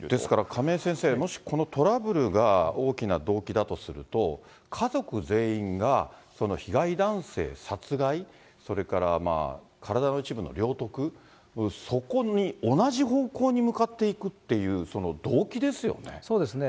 亀井先生、もしこのトラブルが大きな動機だとすると、家族全員が被害男性殺害、それから体の一部の領得、そこに同じ方向に向かっていくっていうそうですね。